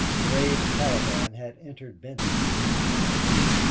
Durade's caravan had entered Benton in the dark.